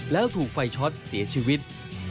แล้วถูกไฟช็อตเสียชีวิต